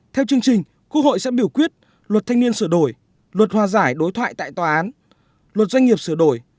theo chương trình quốc hội sẽ biểu quyết luật thanh niên sửa đổi luật hòa giải đối thoại tại tòa án luật doanh nghiệp sửa đổi